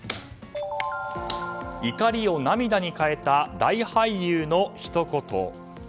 怒りを涙に変えた大俳優のひと言。